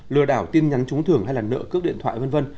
lừa đảo tin nhắn trúng thưởng hay là nợ cướp điện thoại v v